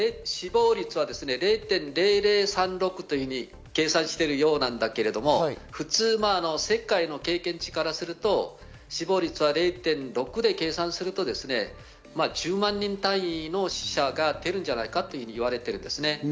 今、死亡率は０．００３６と計算しているようなんだけれども、普通、世界の経験値からすると死亡率は０．６で計算すると、１０万人単位の死者が出るんじゃないかと言われてるんですね。